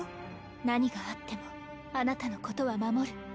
何があってもあなたのことは守る。